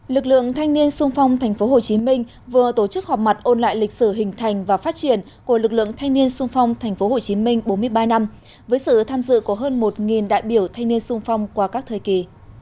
lực lượng thanh niên sung phong tp hcm vừa tổ chức họp mặt ôn lại lịch sử hình thành và phát triển của lực lượng thanh niên sung phong tp hcm bốn mươi ba năm với sự tham dự của hơn một đại biểu thanh niên sung phong qua các thời kỳ